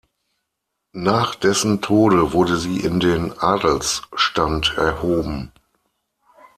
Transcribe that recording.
Nach dessen Tode wurde sie in den Adelsstand erhoben.